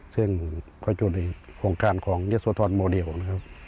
ซึ่งเขาจูดในโครงการของเยซูทรโมเดล